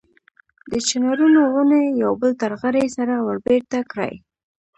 د چنارونو ونې یو بل ته غړۍ سره وربېرته کړي.